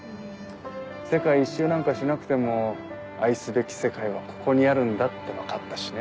世界一周なんかしなくても愛すべき世界はここにあるんだって分かったしね。